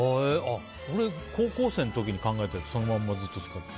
俺、高校生の時に考えたやつそのままずっと使ってる。